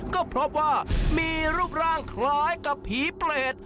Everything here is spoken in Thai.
ก็พบว่ามีรูปร่างคล้ายกับผีเปรต